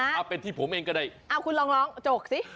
อ้าวเป็นที่ผมเองก็ได้อ้าวคุณลองจกสิ